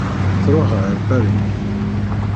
Tṛuḥ ɣer Paris.